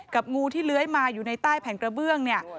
งูที่เลื้อยมาอยู่ในใต้แผ่นกระเบื้องเนี่ย